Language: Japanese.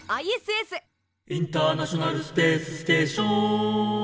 「インターナショナルスペースステーショーーン」